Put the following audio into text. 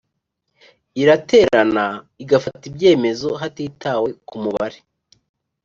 Iraterana igafata ibyemezo hatitawe ku mubare